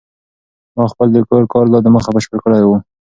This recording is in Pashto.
ما خپل د کور کار لا د مخه بشپړ کړی دی.